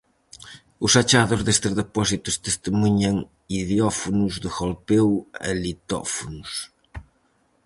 Os achados destes depósitos testemuñan idiófonos de golpeo e litófonos.